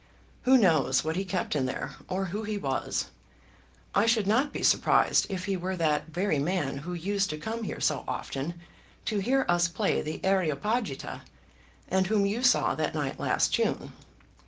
Who knows what he kept in here, or who he was! I should not be surprised if he were that very man who used to come here so often to hear us play the 'Areopagita,' and whom you saw that night last June.